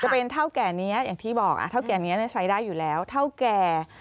จะเป็นเท่าแก่นี้อย่างที่บอกเท่าแก่นี้ใช้ได้อยู่แล้วเท่าแก่